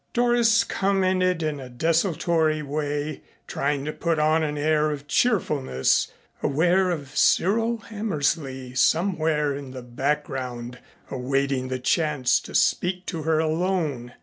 Doris commented in a desultory way, trying to put on an air of cheerfulness, aware of Cyril Hammersley somewhere in the background awaiting the chance to speak to her alone.